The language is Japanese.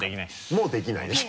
もうできないね。